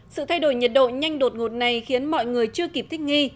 sự thay đổi nhiệt độ nhanh đột ngột này khiến mọi người chưa kịp thích nghi